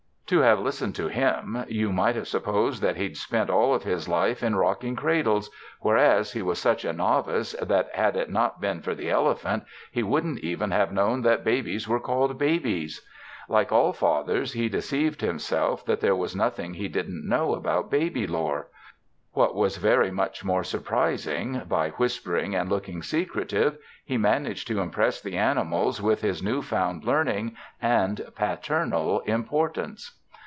To have listened to him you might have supposed that he'd spent all his life in rocking cradles, whereas he was such a novice that, had it not been for the elephant, he wouldn't even have known that babies were called babies. Like all fathers he deceived himself that there was nothing he didn't know about baby lore. What was very much more surprising, by whispering and looking secretive he managed to impress the animals with his new found learning and paternal importance.